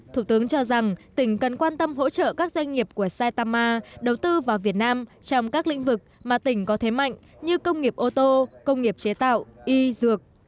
thủ tướng cho rằng tỉnh cần quan tâm hỗ trợ các doanh nghiệp của saitama đầu tư vào việt nam trong các lĩnh vực mà tỉnh có thế mạnh như công nghiệp ô tô công nghiệp chế tạo y dược